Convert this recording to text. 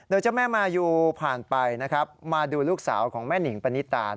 โดยเจ้าแม่มายูผ่านไปนะครับมาดูลูกสาวของแม่หนิงปณิตาน